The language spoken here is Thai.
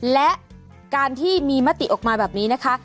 และการที่มีมติออกมาแบบนี้นะคะ